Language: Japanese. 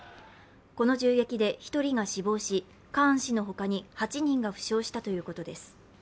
この銃撃で１人が死亡しカーン氏の他に８人が負傷したということです。